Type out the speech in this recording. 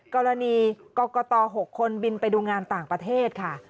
กรณีกรกต๖คนบินไปดูงานต่างประเทศค่ะ